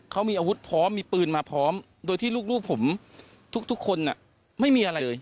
เขามีอาวุธพร้อมมีปืนมาพร้อมโดยที่ลูกผมทุกคนไม่มีอะไรเลย